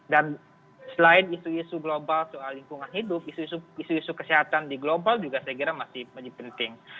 dan selain isu isu global soal lingkungan hidup isu isu kesehatan di global juga saya kira masih penting